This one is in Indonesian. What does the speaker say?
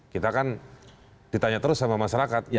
kita kan ditanya terus sama masyarakat